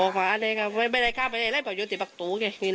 เนื่องจากโดยพี่หญิงที่มาระบบมาบ้าน